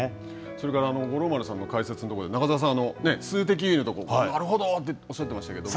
それから、五郎丸さんの解説のところで、数的優位のところなるほどっておっしゃっていましたけど。